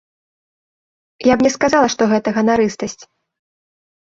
Я б не сказала, што гэта ганарыстасць.